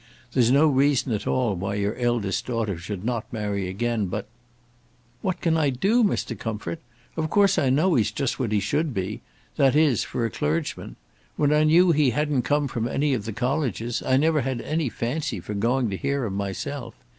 There's no reason at all why your eldest daughter should not marry again, but " "What can I do, Mr. Comfort? Of course I know he's not just what he should be, that is, for a clergyman. When I knew he hadn't come from any of the colleges, I never had any fancy for going to hear him myself.